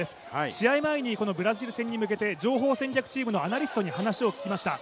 試合前にブラジル戦に向けて情報戦略チームのアナリストに話を聞きました。